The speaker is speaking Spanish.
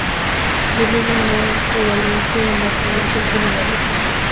Tiene una gran prevalencia en la población general.